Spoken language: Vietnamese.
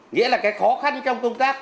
nghĩa là cái khó khăn trong công tác